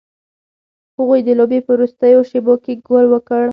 هغوی د لوبې په وروستیو شیبو کې ګول وکړ.